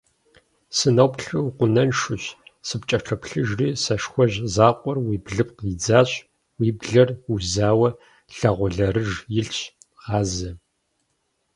Сыноплъыри укъунаншущ, сыпкӀэлъоплъыжри сэшхуэжь закъуэр уи блыпкъ идзащ, уи блэр узауэ лагъуэлэрыж илъщ, гъазэ.